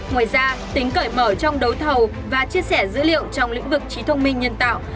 ngoài ra tính cởi mở trong đấu thầu và chia sẻ dữ liệu trong lĩnh vực trí thông minh nhân tạo